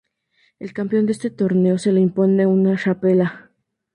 El campeón de este torneo se le impone una txapela.